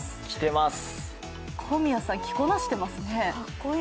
小宮さん着こなしてますね。